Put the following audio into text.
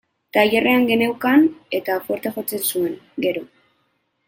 Tailerrean geneukan, eta fuerte jotzen zuen, gero.